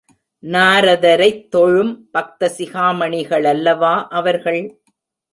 நாரதரைத் தொழும் பக்த சிகாமணிகளல்லவா அவர்கள்!